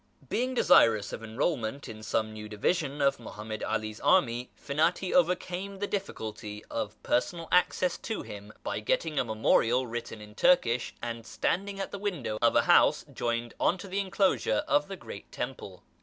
Being desirous of enrolment in some new division of Mohammed Alis army, Finati overcame the difficulty of personal access to him by getting a memorial written in Turkish and standing at the window of a house joined on to the enclosure of the great temple.